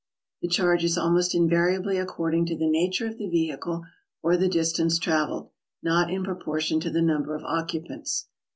The charge is almost invariably according to the nature of the vehicle or the distance traveled, — not in pro portion to the number of occupants.